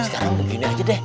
sekarang begini aja deh